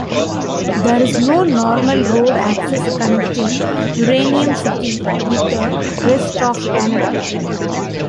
There is no normal road access connecting Uranium City with the rest of Canada.